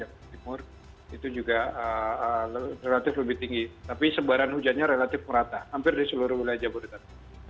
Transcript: jawa timur itu juga relatif lebih tinggi tapi sebaran hujannya relatif merata hampir di seluruh wilayah jabodetabek